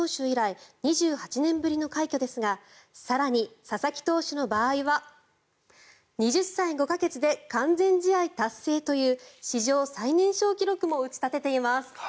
以来２８年ぶりの快挙ですが更に、佐々木投手の場合は２０歳５か月で完全試合達成という史上最年少記録も打ち立てています。